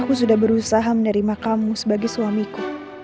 aku sudah berusaha menerima kamu sebagai suamiku